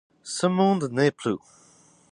Ce monde n'est plus.